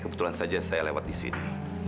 kebetulan saja saya lewat di sini